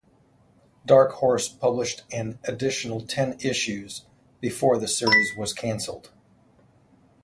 Dark Horse published an additional ten issues before the series was canceled.